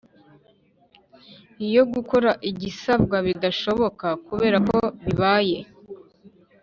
Iyo gukora igisabwa bidashoboka kubera ko bibaye